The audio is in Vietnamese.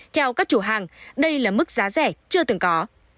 theo các chủ hàng đây là mức giá rẻ chưa từng có